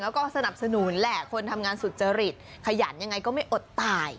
แล้วก็สนับสนุนแหละคนทำงานสุจริตขยันยังไงก็ไม่อดตาย